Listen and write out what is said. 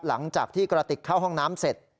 หลังจากที่กระติกเข้าห้องน้ำเสร็จ